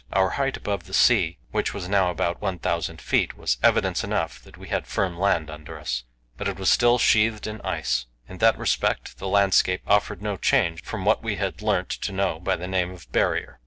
Our height above the sea, which was now about 1,000 feet, was evidence enough that we had firm land under us, but it was still sheathed in ice. In that respect the landscape offered no change from what we had learnt to know by the name of "Barrier."